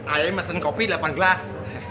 ayah ini mesen kopi delapan gelas